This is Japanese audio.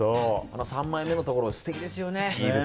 三枚目のところ、素敵ですよね。